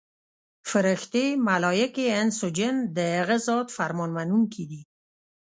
فرښتې، ملایکې، انس او جن د هغه ذات فرمان منونکي دي.